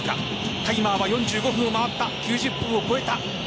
タイマーは４５分を回った９０分を超えた。